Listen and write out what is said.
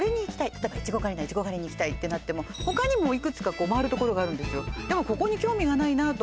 例えばいちご狩りに行きたいとなっても他にもいくつか回るところがあるんですよ